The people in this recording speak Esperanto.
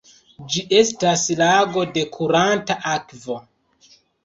Ĝi estas lago de kuranta akvo.